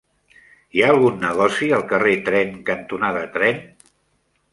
Hi ha algun negoci al carrer Tren cantonada Tren?